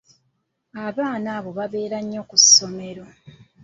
Abaana abo bakeera nnyo ku ssomero.